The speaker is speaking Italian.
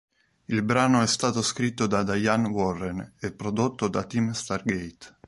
Il brano è stato scritto da Diane Warren e prodotto da team Stargate.